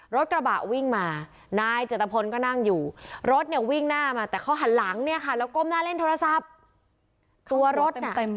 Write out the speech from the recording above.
รถกระบะวิ่งมานายเจตพลก็นั่งอยู่รถเนี่ยวิ่งหน้ามาแต่เขาหันหลังเนี่ยค่ะแล้วก้มหน้าเล่นโทรศัพท์ตัวรถเต็ม